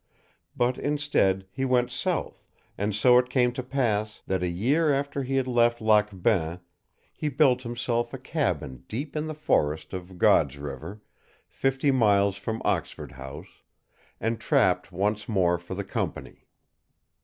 But, instead, he went south, and so it came to pass that a year after he had left Lac Bain he built himself a cabin deep in the forest of God's River, fifty miles from Oxford House, and trapped once more for the company.